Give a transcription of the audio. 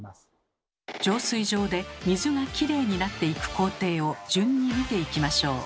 浄水場で水がきれいになっていく工程を順に見ていきましょう。